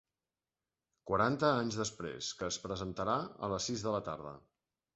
Quaranta anys després, que es presentarà a les sis de la tarda.